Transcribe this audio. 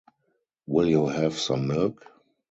Will you have some milk?